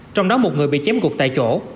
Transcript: trong đó một người bị chém gục tại chỗ